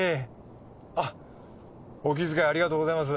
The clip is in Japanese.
あっお気遣いありがとうございます。